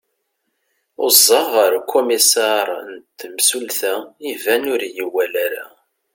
uẓaɣ ɣer ukumisar n temsulta iban ur iyi-iwali ara